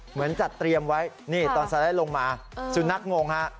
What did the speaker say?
เหมือนจัดเตรียมไว้นี่ตอนสไลด์ลงมาสุนัขงงฮะ